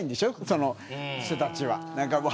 その人たちは。